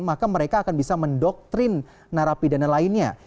maka mereka akan bisa mendoktrin narapidana lainnya